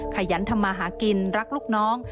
ขยันทำมาหากินรักลูกน้อง